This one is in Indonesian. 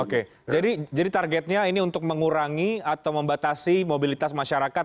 oke jadi targetnya ini untuk mengurangi atau membatasi mobilitas masyarakat